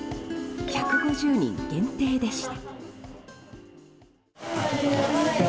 １５０人限定でした。